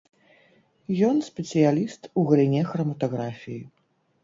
Ён спецыяліст у галіне храматаграфіі.